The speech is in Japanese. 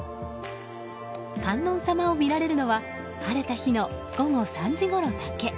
観音様を見られるのは晴れた日の午後３時ごろだけ。